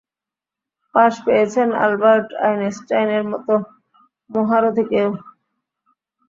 পাশে পেয়েছেন আলবার্ট আইনস্টাইনের মতো মহারথীকেও।